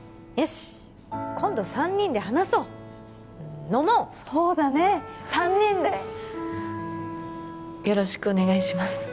しっ今度三人で話そう飲もうそうだね三人でよろしくお願いします